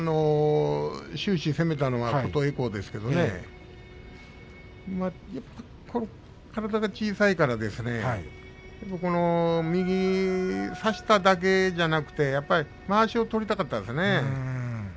終始攻めたのは琴恵光ですが体が小さいから右差しただけじゃなくてやっぱりまわしを取りたかったですね。